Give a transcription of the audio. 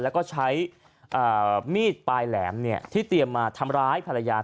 แล้วก็ใช้มีดปลายแหลมที่เตรียมมาทำร้ายภรรยา